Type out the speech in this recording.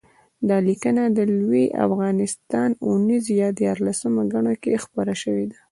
دا لیکنه د لوی افغانستان اوونیزې په یارلسمه ګڼه کې خپره شوې ده